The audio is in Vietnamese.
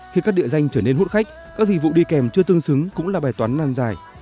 khi các địa danh trở nên hút khách các dịch vụ đi kèm chưa tương xứng cũng là bài toán nan dài